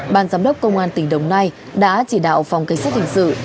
ban giám đốc công an tỉnh đồng nai đã chỉ đạo phòng cảnh sát hình sự